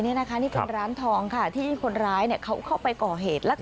นี่คือร้านทองที่คนร้ายเขาเข้าไปก่อเหตุ